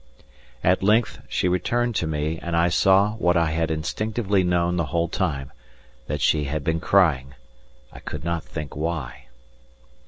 At length she returned to me, and I saw what I had instinctively known the whole time that she had been crying. I could not think why.